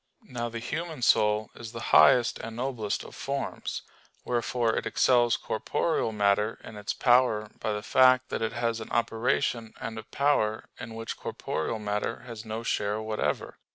Now the human soul is the highest and noblest of forms. Wherefore it excels corporeal matter in its power by the fact that it has an operation and a power in which corporeal matter has no share whatever.